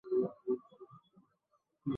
তুই বলেছিলি চিরন্তন ভালোবাসা।